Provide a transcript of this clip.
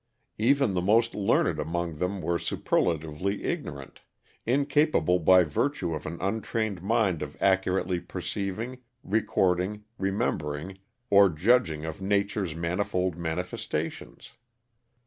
Even the most learned among them were superlatively ignorant; incapable by virtue of an untrained mind of accurately perceiving, recording, remembering, or judging of nature's manifold manifestations.